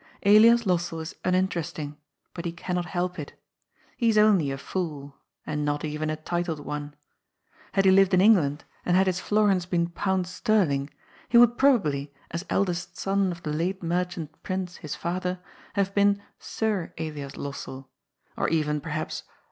Elias Lossell is uninteresting, but he cannot help it. He is only a fool, and not even a titled one. Had he lived in England and had his florins been pounds ster ling, he would probably, as eldest son of the late merchant prince, his father, have been Sir Elias Lossell, or even, per haps.